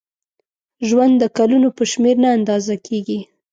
ژوند د کلونو په شمېر نه اندازه کېږي.